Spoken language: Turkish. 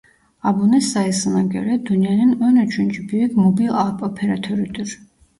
Abone sayısına göre dünyanın on üçüncü büyük mobil ağ operatörüdür.